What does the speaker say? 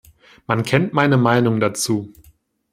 Man kennt meine Meinung dazu.